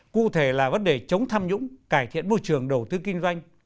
cụ thể là vấn đề chống tham nhũng cải thiện môi trường đầu tư kinh doanh